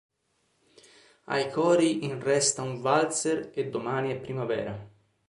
Ai cori in "Resta un valzer" e "Domani è primavera".